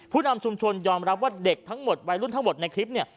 นำชุมชนยอมรับว่าเด็กทั้งหมดวัยรุ่นทั้งหมดในคลิปเนี่ย